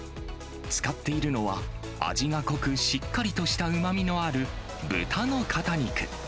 使っているのは、味が濃くしっかりとしたうまみのある豚の肩肉。